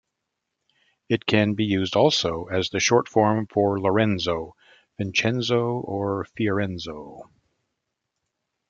It can be used also as the short form for Lorenzo, Vincenzo or Fiorenzo.